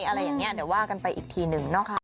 อะไรอย่างนี้เดี๋ยวว่ากันไปอีกทีหนึ่งนะคะ